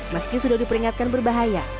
meski sudah diperingatkan berbahaya